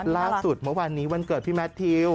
ล่าสุดเมื่อวานนี้วันเกิดพี่แมททิว